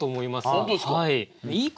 本当ですか。